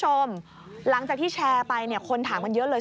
หลังจากที่แชร์ไปเนี่ยคนถามกันเยอะเลย